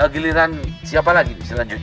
giliran siapa lagi selanjutnya